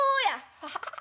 ハハハハハ。